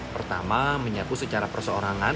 pertama menyapu secara perseorangan